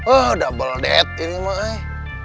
oh double date ini mah